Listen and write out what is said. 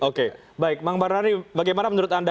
oke baik bang mbak rani bagaimana menurut anda